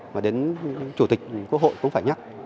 mà đến chủ tịch quốc hội cũng phải nhắc